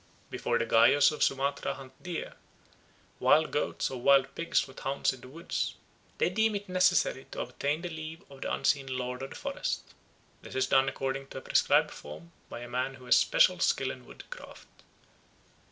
Before the Gayos of Sumatra hunt deer, wild goats, or wild pigs with hounds in the woods, they deem it necessary to obtain the leave of the unseen Lord of the forest. This is done according to a prescribed form by a man who has special skill in woodcraft.